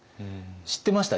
知ってました？